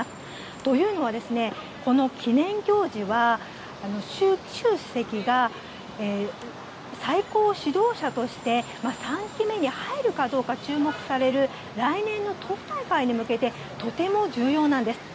というのはこの記念行事は習主席が最高指導者として３期目に入るかどうか注目される来年の党大会に向けてとても重要なんです。